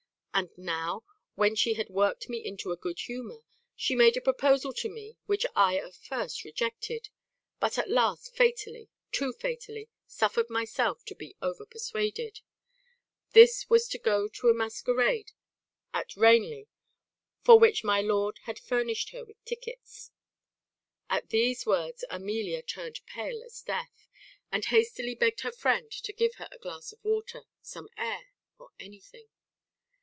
And now, when she had worked me into a good humour, she made a proposal to me which I at first rejected but at last fatally, too fatally, suffered myself to be over persuaded. This was to go to a masquerade at Ranelagh, for which my lord had furnished her with tickets." At these words Amelia turned pale as death, and hastily begged her friend to give her a glass of water, some air, or anything.